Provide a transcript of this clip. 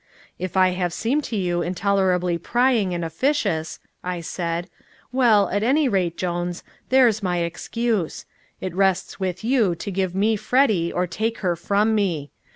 "If I have seemed to you intolerably prying and officious," I said, "well, at any rate, Jones, there's my excuse. It rests with you to give me Freddy or take her from me.